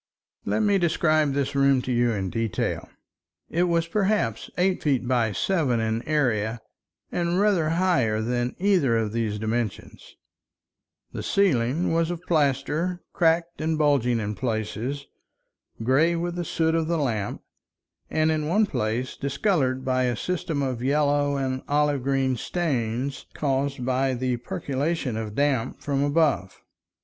Let me describe this room to you in detail. It was perhaps eight feet by seven in area and rather higher than either of these dimensions; the ceiling was of plaster, cracked and bulging in places, gray with the soot of the lamp, and in one place discolored by a system of yellow and olive green stains caused by the percolation of damp from above.